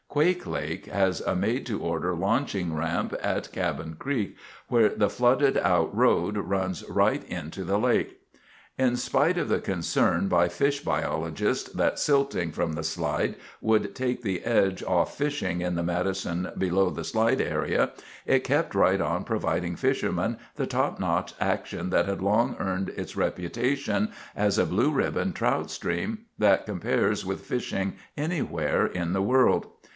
Quake Lake has a made to order launching ramp at Cabin Creek, where the flooded out road runs right into the lake. In spite of the concern by fish biologists that silting from the slide would take the edge off fishing on the Madison below the slide area, it kept right on providing fishermen the top notch action that had long earned its reputation as a blue ribbon trout stream that compares with fishing anywhere in the world.